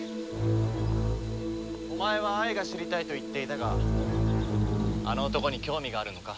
お前は愛が知りたいと言っていたがあの男に興味があるのか？